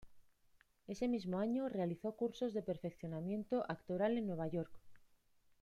Ese mismo año realizó cursos de perfeccionamiento actoral en Nueva York.